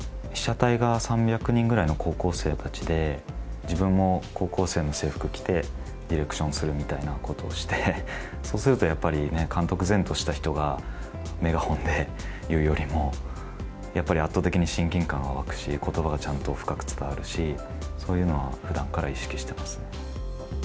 被写体が３００人くらいの高校生たちで、自分も高校生の制服着てディレクションするみたいなことをして、そうするとやっぱりね、監督然とした人がメガホンで言うよりも、やっぱり圧倒的に親近感が湧くし、ことばがちゃんと深く伝わるし、そういうのはふだんから意識してますね。